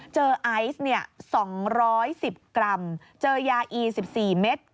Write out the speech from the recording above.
ไอซ์๒๑๐กรัมเจอยาอี๑๔เม็ด